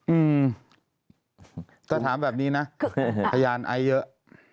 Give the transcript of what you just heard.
อืมถ้าถามแบบนี้นะพยานไอเยอะ